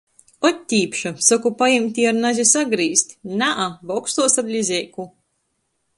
Ot tīpša! Soku pajimt i ar nazi sagrīzt, nā, bokstuos ar lizeiku.